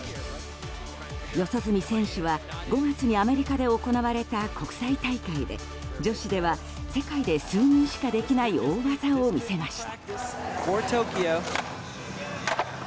四十住選手は５月にアメリカで行われた国際大会で女子では世界で数人しかできない大技を見せました。